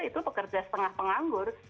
itu pekerja setengah penganggur